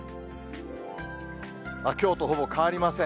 きょうとほぼ変わりません。